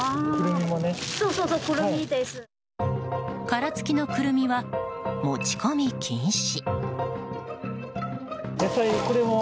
殻付きのクルミは持ち込み禁止。